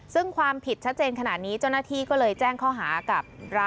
ซึ่งความผิดชัดเจนขนาดนี้เจ้าหน้าที่ก็เลยแจ้งข้อหากับ